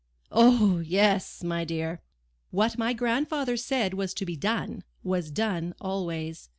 "O yes, my dear. What my grandfather said was to be done, was done always.